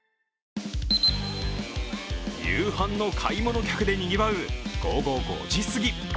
夕飯の買い物客でにぎわう午後５時すぎ。